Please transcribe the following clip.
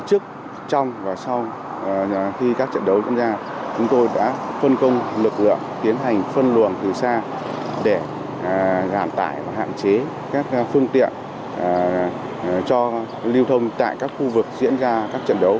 trước trong và sau khi các trận đấu diễn ra chúng tôi đã phân công lực lượng tiến hành phân luồng từ xa để giảm tải và hạn chế các phương tiện cho lưu thông tại các khu vực diễn ra các trận đấu